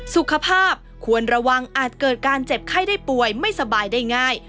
สุขภาพควรระวังอาจเกิดการเจ็บไข้ได้ป่วยไม่สบายได้ง่าย